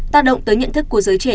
tác động tới nhận thức của giới trẻ